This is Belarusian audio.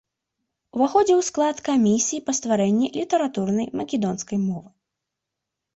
Уваходзіў у склад камісіі па стварэнні літаратурнай македонскай мовы.